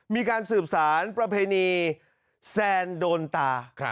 มีการสืบสารประเพณีแซนโดนตา